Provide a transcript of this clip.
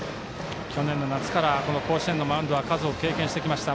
去年の夏から甲子園のマウンドは数多く経験してきました。